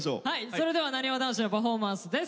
それではなにわ男子のパフォーマンスです。